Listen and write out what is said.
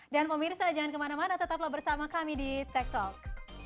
dan pemirsa jangan kemana mana tetaplah bersama kami di tech talk